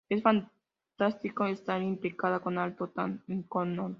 Es fantástico estar implicada con algo tan icónico.